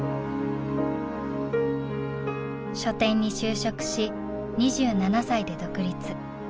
書店に就職し２７歳で独立。